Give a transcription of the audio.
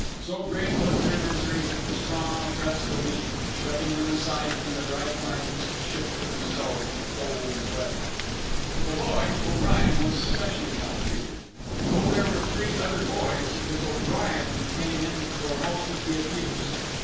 So great was their misery that the strong oppressed the weak, shoving them aside from the dry planks to shift for themselves in the cold and wet. The boy, O'Brien, was specially maltreated. Though there were three other boys, it was O'Brien who came in for most of the abuse.